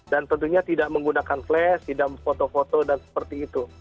tentunya tidak menggunakan flash tidak foto foto dan seperti itu